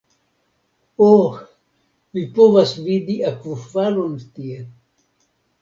Oh vi povas vidi akvofalon tie